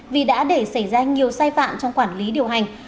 vì đã để xảy ra nhiều sai phạm trong quản lý điều hành